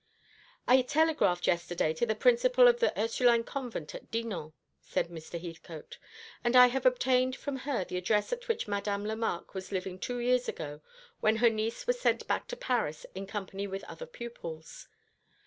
"I telegraphed yesterday to the principal of the Ursuline convent at Dinan," said Mr. Heathcote, "and I have obtained from her the address at which Madame Lemarque was living two years ago, when her niece was sent back to Paris in company with other pupils.